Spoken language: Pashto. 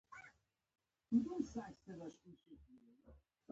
کله د ویلو لپاره ډېر څه لرم، خو د پوهولو لپاره هېڅ نه.